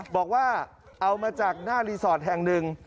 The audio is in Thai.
บอกว่าเอามาจากหน้ารีสอร์ทแห่งหนึ่ง